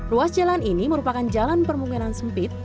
ruas jalan ini merupakan jalan permungkinan sempit